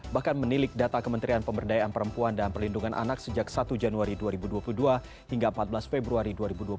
bahkan menilik data kementerian pemberdayaan perempuan dan perlindungan anak sejak satu januari dua ribu dua puluh dua hingga empat belas februari dua ribu dua puluh satu